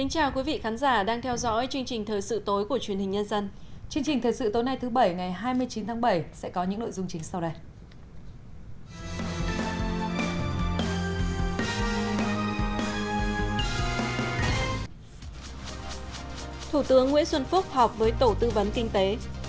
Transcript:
hãy đăng ký kênh để ủng hộ kênh của chúng mình nhé